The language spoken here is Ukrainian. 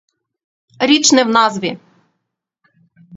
Річ не в назві.